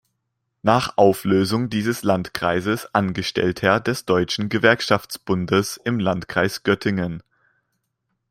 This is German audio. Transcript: Nach Auflösung dieses Landkreises Angestellter des Deutschen Gewerkschaftsbundes im Landkreis Göttingen.